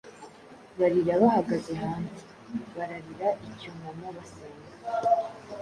barira bahagaze hanze, Bararira, icyunamo, basenga.